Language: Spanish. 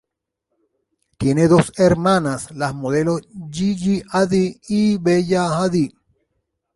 Tiene dos hermanas, las modelos Gigi Hadid y Bella Hadid.